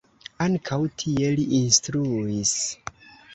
Ankaŭ tie li instruis.